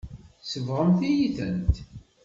Tsebɣemt-iyi-tent.